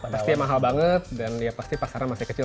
pasti mahal banget dan pasti pasarnya masih kecil